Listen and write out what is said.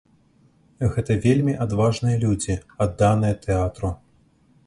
Гэта вельмі адважныя людзі, адданыя тэатру.